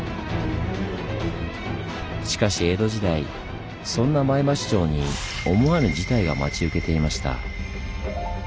しかし江戸時代そんな前橋城に思わぬ事態が待ち受けていました。